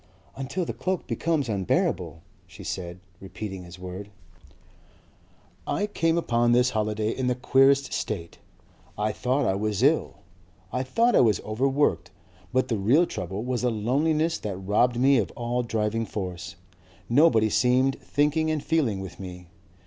"Until the cloak becomes unbearable," she said, repeating his word. "I came upon this holiday in the queerest state. I thought I was ill. I thought I was overworked. But the real trouble was a loneliness that robbed me of all driving force. Nobody seemed thinking and feeling with me....